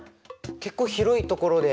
結構広いところで。